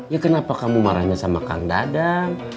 ya kenapa kamu marahnya sama kang dadang